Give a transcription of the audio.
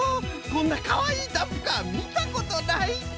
こんなかわいいダンプカーみたことない！